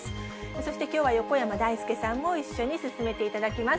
そしてきょうは横山だいすけさんも一緒に進めていただきます。